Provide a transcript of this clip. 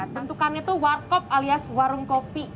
tentukan itu warkop alias warung kopi